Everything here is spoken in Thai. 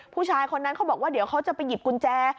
ผู้ชายคนนั้นเขาบอกว่าเดี๋ยวเขาจะไปหยิบกุญแจ